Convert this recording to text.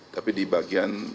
tapi di bagian